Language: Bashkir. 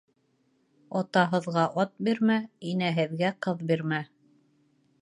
Атаһыҙға ат бирмә, инәһеҙгә ҡыҙ бирмә.